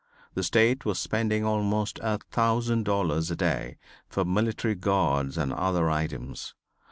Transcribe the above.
The State was spending almost a thousand dollars a day for military guards and other items.